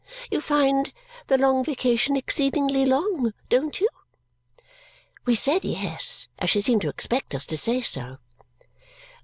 You find the long vacation exceedingly long, don't you?" We said yes, as she seemed to expect us to say so.